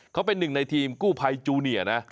เขาเป็นหนึ่งในทีมกู้ภัยจูเนียนะ